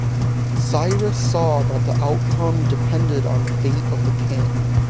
Cyrus saw that the outcome depended on the fate of the king.